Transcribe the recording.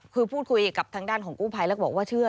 คือพูดคุยกับทางด้านของกู้ภัยแล้วบอกว่าเชื่อ